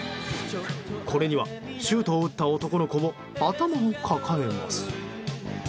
これには、シュートを打った男の子も頭を抱えます。